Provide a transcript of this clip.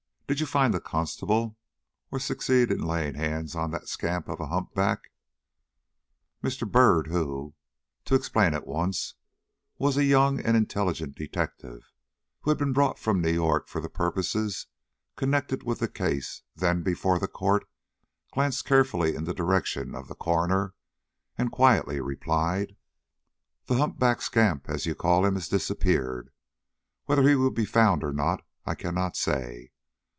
Did you find the constable or succeed in laying hands on that scamp of a humpback?" Mr. Byrd, who, to explain at once, was a young and intelligent detective, who had been brought from New York for purposes connected with the case then before the court, glanced carefully in the direction of the coroner and quietly replied: "The hump backed scamp, as you call him, has disappeared. Whether he will be found or not I cannot say.